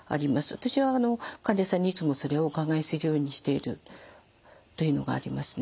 私は患者さんにいつもそれをお伺いするようにしているというのがありますね。